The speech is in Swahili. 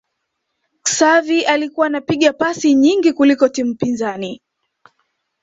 Xavi alikuwa anapiga pasi nyingi kuliko timu pinzani